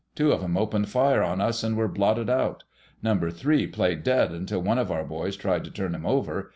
Two of 'em opened fire on us and were blotted out. Number Three played dead until one of our boys tried to turn him over.